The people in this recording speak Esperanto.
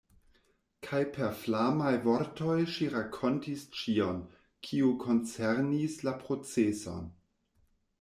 Kaj per flamaj vortoj ŝi rakontis ĉion, kio koncernis la proceson.